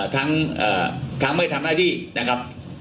ทั้งไม่ทำหน้าที่นะครับ